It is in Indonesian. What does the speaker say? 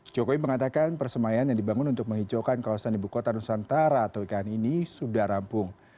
jokowi mengatakan persemayan yang dibangun untuk menghijaukan kawasan ibu kota nusantara atau ikn ini sudah rampung